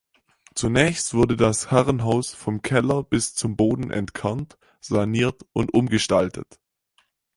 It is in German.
Zunächst wurde das Herrenhaus vom Keller bis zum Boden entkernt, saniert und umgestaltet.